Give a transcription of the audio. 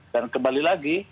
dan kembali lagi